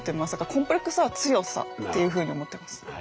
コンプレックスは強さっていうふうに思っています。